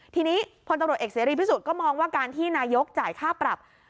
ทีนี้พลตำรวจเอกเสรีพิสุทธิ์ก็มองว่าการที่นายกจ่ายค่าปรับ